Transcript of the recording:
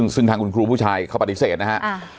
ซึ่งทางคุณครูผู้ชายเขาปฏิเสธนะฮะ